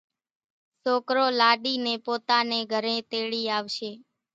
سوڪرو لاڏِي نين پوتا نين گھرين تيڙي آوشي